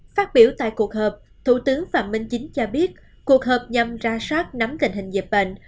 phát biểu tại cuộc họp thủ tướng phạm minh chính cho biết cuộc họp nhằm ra soát nắm tình hình dịch bệnh